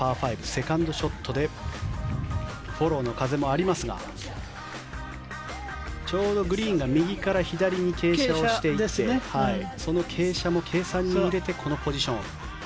セカンドショットでフォローの風もありますがちょうどグリーンが右から左に傾斜をしていてその傾斜も計算に入れてのこのポジション。